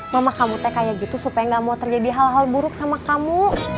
mama kamu kayak gitu supaya gak mau terjadi hal hal buruk sama kamu